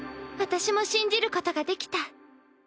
私も信じることができた。